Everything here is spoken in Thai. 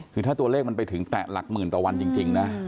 ถึงถ้าตัวเลขมันไปถึง๘๐๐๐ละวันจริงนะ